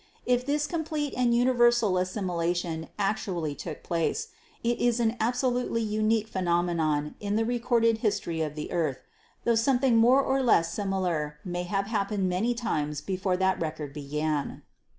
If this complete and universal assimilation actu HISTORICAL GEOLOGY 205 ally took place, it is an absolutely unique phenomenon in the recorded history of the earth, tho something more or less similar may have happened many times before that record began."